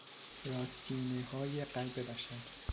راستینههای قلب بشر